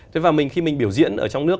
thế và mình khi mình biểu diễn ở trong nước